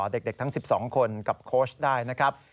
เด็กทั้ง๑๒คนกับโค้ชได้นะครับ